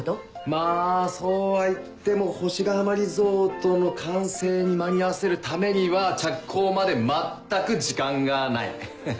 まぁそうは言っても星ヶ浜リゾートの完成に間に合わせるためには着工まで全く時間がない。